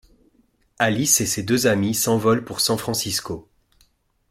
Alice et ses deux amies s'envolent pour San Francisco.